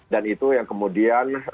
dan itu yang kemudian